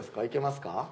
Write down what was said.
いけますか？